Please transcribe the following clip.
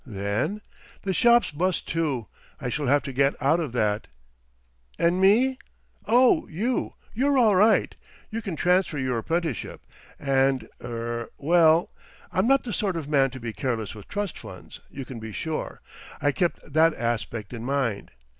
"Then—?" "The shop's bust too. I shall have to get out of that." "And me?" "Oh, you!—you're all right. You can transfer your apprenticeship, and—er—well, I'm not the sort of man to be careless with trust funds, you can be sure. I kept that aspect in mind.